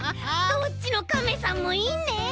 どっちのカメさんもいいね。